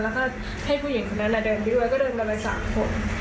แล้วก็ให้ผู้หญิงคนนั้นเดินไปด้วยก็เดินกันไป๓คน